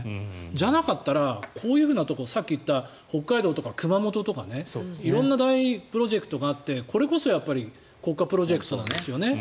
じゃなかったら、こういうところさっき言った北海道とか熊本とか色んなプロジェクトがあってこれこそやっぱり国家プロジェクト。